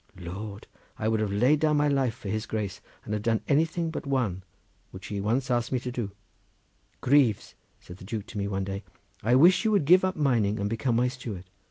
Lord! I would have laid down my life for his Grace and have done anything but one which he once asked me to do: 'Greaves,' said the Duke to me one day, 'I wish you would give up mining and become my steward.